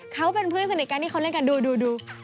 เขาเป็นเพื่อนสนิทกันที่เขาเล่นกันดู